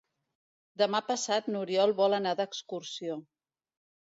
Demà passat n'Oriol vol anar d'excursió.